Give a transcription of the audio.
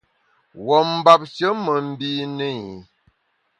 Wuo mbapshe me mbine i.